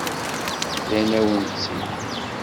Rran-awen-tt-id.